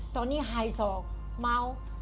ตอนนี้ไฮศอกเมาส์